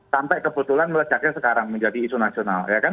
sampai kebetulan meledaknya sekarang menjadi isu nasional